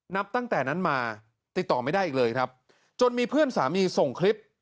นับตั้งแต่นั้นมาติดต่อไม่ได้อีกเลยครับจนมีเพื่อนสามีส่งคลิป